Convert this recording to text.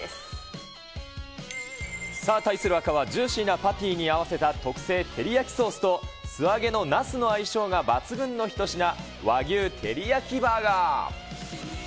さあ、対する赤はジューシーなパティに合わせた特製テリヤキソースと素揚げのナスの相性が抜群の一品、和牛テリヤキバーガー。